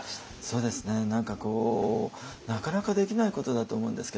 そうですね何かこうなかなかできないことだと思うんですけど